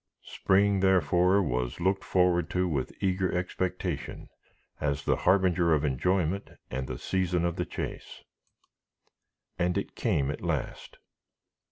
Spring, therefore, was looked forward to with eager expectation, as the harbinger of enjoyment and the season of the chase. And it came at last.